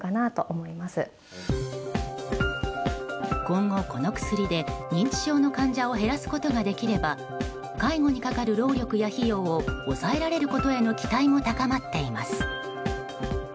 今後、この薬で認知症の患者を減らすことができれば介護にかかる労力や費用を抑えられることへの期待も高まっています。